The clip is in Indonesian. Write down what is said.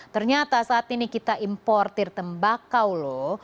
ternyata saat ini kita importir tembakau loh